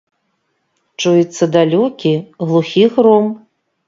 Чуецца далёкі, глухі гром.